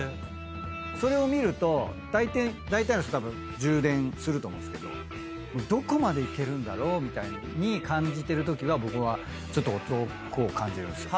それを見るとだいたいの人たぶん充電すると思うんですけどどこまでいけるんだろう？みたいに感じてるときは僕はちょっと男を感じるんです。